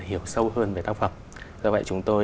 hiểu sâu hơn về tác phẩm do vậy chúng tôi